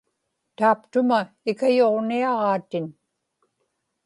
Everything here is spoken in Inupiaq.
taaptuma ikayuġniaġaatin